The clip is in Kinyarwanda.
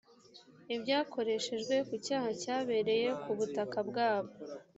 ibyakoreshejwe ku cyaha cyabereye ku butaka bwabo